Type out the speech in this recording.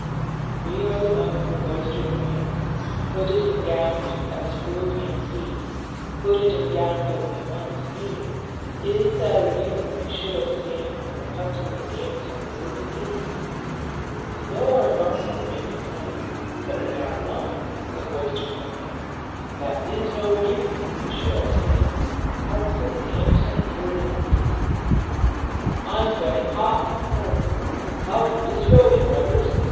We are the monks of Oyster le Main, Hooded and gowned as fools may see; Hooded and gowned though we monks be, Is that a reason we should abstain From cups of the gamesome Burgundie? Though our garments make it plain That we are Monks of Oyster le Main, That is no reason we should abstain From cups of the gamesome Burgundie. "I'm sweating hot," says one. "How for disrobing, brothers?